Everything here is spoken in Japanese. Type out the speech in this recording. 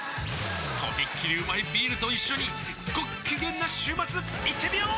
とびっきりうまいビールと一緒にごっきげんな週末いってみよー！